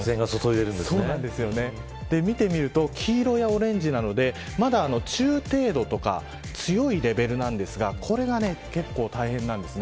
見てみると黄色やオレンジなのでまだ、中程度とか強いレベルなんですがこれが結構大変なんです。